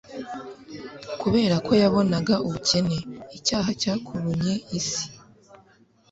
kubera ko yabonaga ubukene icyaha cyakurunye isi,